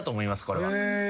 これは。